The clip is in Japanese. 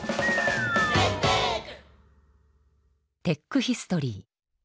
テックヒストリー。